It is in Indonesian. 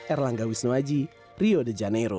erlangga wisnuaji rio de janeiro